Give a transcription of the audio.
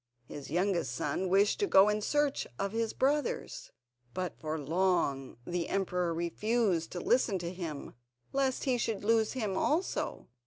His youngest son wished to go in search of his brothers, but for long the emperor refused to listen to him, lest he should lose him also.